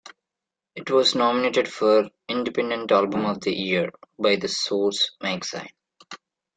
It was nominated for "Independent Album of the Year" by "The Source" magazine.